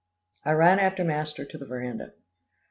I ran after master to the veranda.